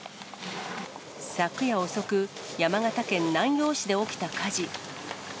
昨夜遅く、山形県南陽市で起きた火事。